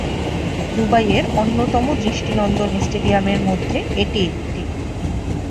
দুবাইয়ের অন্যতম দৃষ্টিনন্দন স্টেডিয়ামের মধ্যে এটি একটি।